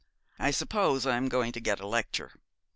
I suppose I am going to get a lecture.'